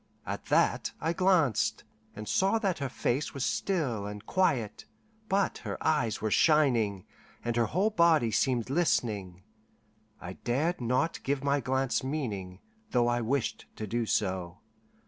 At that, I glanced, and saw that her face was still and quiet, but her eyes were shining, and her whole body seemed listening. I dared not give my glance meaning, though I wished to do so.